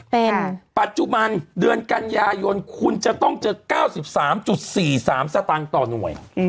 เป็นปัจจุบันเดือนกันยายนคุณจะต้องเจอ๙๓๔๓สตางค์ต่อหน่วย